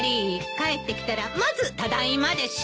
帰ってきたらまずただいまでしょ。